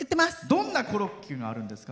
どんなコロッケがあるんですか？